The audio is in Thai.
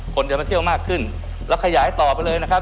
คนจะมาเที่ยวมากขึ้นแล้วขยายต่อไปเลยนะครับ